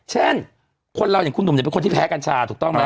เช่นคนเราอย่างคุณหนุ่มเนี่ยเป็นคนที่แพ้กัญชาถูกต้องไหม